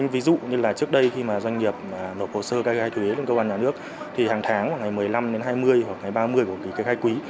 ví dụ như là trước đây khi mà doanh nghiệp nộp hồ sơ cây cây thuế lên cơ quan nhà nước thì hàng tháng ngày một mươi năm đến hai mươi hoặc ngày ba mươi của ký cây khai quý